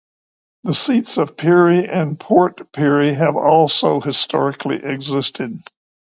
The seats of Pirie and Port Pirie have also historically existed.